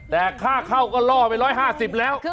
แต่ค่าเข้าก็ล่อไป๑๕๐แล้ว